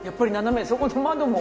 そこの窓も。